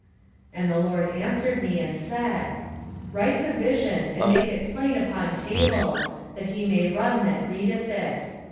2:2 And the LORD answered me, and said, Write the vision, and make it plain upon tables, that he may run that readeth it.